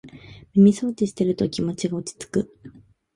耳そうじしてると気持ちが落ちつく